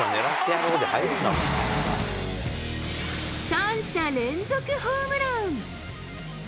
３者連続ホームラン。